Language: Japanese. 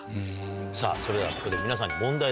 さぁそれではここで皆さんに。